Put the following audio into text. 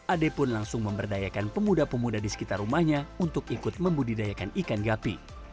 ade pun langsung memberdayakan pemuda pemuda di sekitar rumahnya untuk ikut membudidayakan ikan gapi